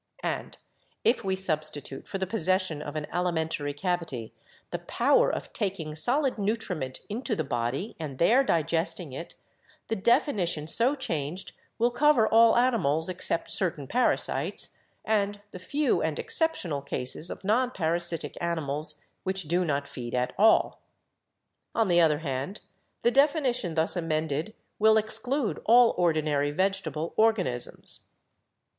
And if we substitute for the possession of an alimentary cavity the power of taking solid nutriment into the body and there digesting it, the definition so changed will cover all animals, except certain parasites, and the few and ex ceptional cases of non parasitic animals which do not feed at all. On the other hand, the definition thus amended will exclude all ordinary vegetable organisms.